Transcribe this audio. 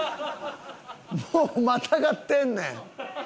もうまたがってんねん。